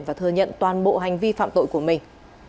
và thừa nhận toàn bộ hành vi phạm tội của mình